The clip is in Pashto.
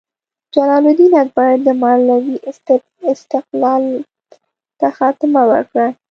جلال الدین اکبر د مالوې استقلال ته خاتمه ورکړه.